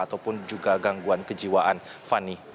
ataupun juga gangguan kejiwaan fani